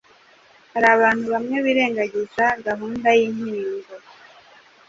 Hari abantu bamwe birengagiza gahunda y’inkingo.